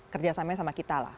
kerjasamanya sama kita lah